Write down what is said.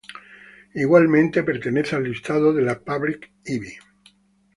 Igualmente pertenece al listado de la "Public Ivy".